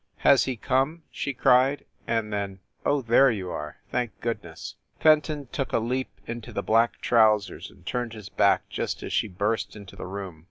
"Has he come ?" she cried. And then, "Oh, there you are ! Thank goodness !" Fenton took a leap into the black trousers and turned his back just as she burst into the room.